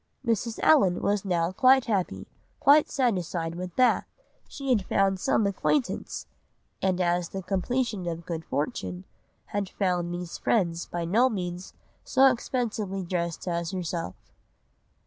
"Mrs. Allen was now quite happy, quite satisfied with Bath. She had found some acquaintance—and as the completion of good fortune, had found these friends by no means so expensively dressed as herself."